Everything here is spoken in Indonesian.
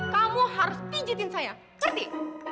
kamu harus pijetin saya ngerti